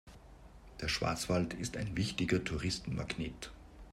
Der Schwarzwald ist ein wichtiger Touristenmagnet.